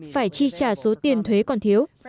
phải chi trả số tiền thuế còn thiếu